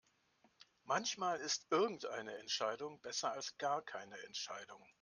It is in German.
Manchmal ist irgendeine Entscheidung besser als gar keine Entscheidung.